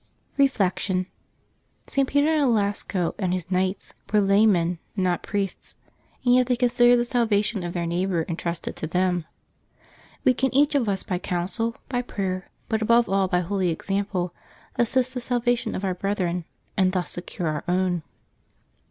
Reflection. — St. Peter Nolasco and his knights were lay men, not priests, and yet they considered the salvation of their neighbor intrusted to them. We can each of us by counsel, by prayer, but above all by holy example, assist the salvation of our brethren, and thus secure our own.